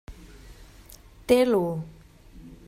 Té l'u!